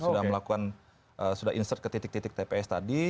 sudah melakukan sudah insert ke titik titik tps tadi